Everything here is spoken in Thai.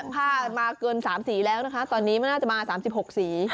ผ้ามาเกิน๓สีแล้วนะคะตอนนี้มันน่าจะมา๓๖สี